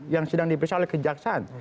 yang sedang diperiksa oleh kejaksaan